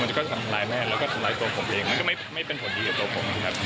จะก็ทำร้ายแม่แล้วก็ทำร้ายตัวผมเองมันก็ไม่เป็นผลดีกับตัวผมนะครับ